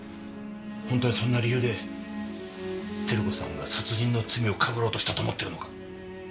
本当にそんな理由で照子さんが殺人の罪を被ろうとしたと思ってるのか？